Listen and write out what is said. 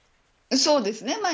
そうですね。